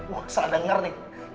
wah salah denger nih